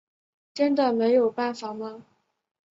真的没有办法吗？